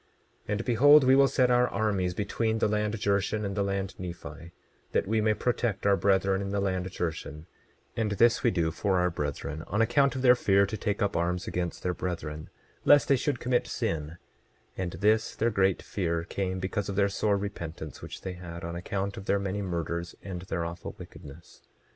27:23 And behold, we will set our armies between the land Jershon and the land Nephi, that we may protect our brethren in the land Jershon; and this we do for our brethren, on account of their fear to take up arms against their brethren lest they should commit sin; and this their great fear came because of their sore repentance which they had, on account of their many murders and their awful wickedness.